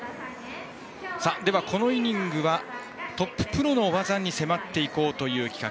では、このイニングはトッププロの技に迫っていこうという企画。